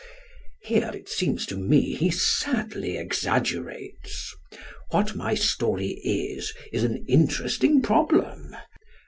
Here, it seems to me, he sadly exaggerates. What my story is is an interesting problem.